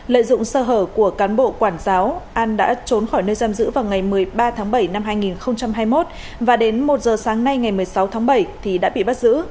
lợi dụng sơ hở của cán bộ quản giáo an đã trốn khỏi nơi giam giữ vào ngày một mươi ba tháng bảy năm hai nghìn hai mươi một và đến một giờ sáng nay ngày một mươi sáu tháng bảy thì đã bị bắt giữ